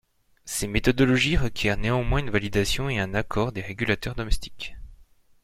Ces méthodologies requièrent néanmoins une validation et un accord des régulateurs domestiques.